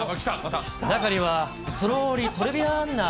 中にはとろーり、トレビアー